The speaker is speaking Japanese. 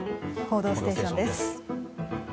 「報道ステーション」です。